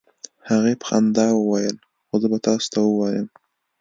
هغې په خندا وویل: "خو زه به تاسو ته ووایم،